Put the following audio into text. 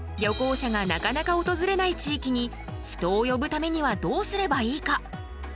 旅行者がなかなか訪れない地域に人を呼ぶためにはどうすればいいか？